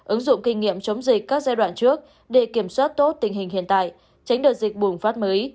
ứng dụng kinh nghiệm chống dịch các giai đoạn trước để kiểm soát tốt tình hình hiện tại tránh đợt dịch bùng phát mới